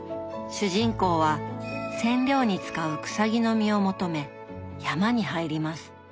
主人公は染料に使う「くさぎの実」を求め山に入ります。